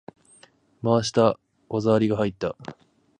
回した！技ありが入った！